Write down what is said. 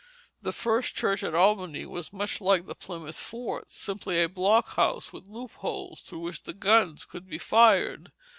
The first church at Albany was much like the Plymouth fort, simply a blockhouse with loop holes through which guns could be fired.